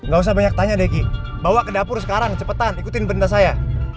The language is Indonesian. gak usah banyak tanya deki bawa ke dapur sekarang cepetan ikutin benda saya